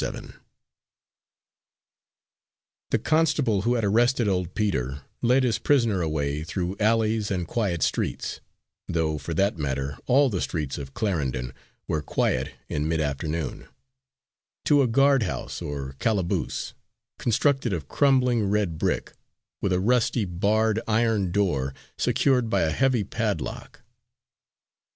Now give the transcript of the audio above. Seven The constable who had arrested old Peter led his prisoner away through alleys and quiet streets though for that matter all the streets of Clarendon were quiet in midafternoon to a guardhouse or calaboose, constructed of crumbling red brick, with a rusty, barred iron door secured by a heavy padlock.